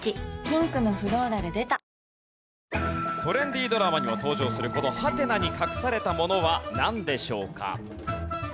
ピンクのフローラル出たトレンディードラマにも登場するこのハテナに隠されたものはなんでしょうか？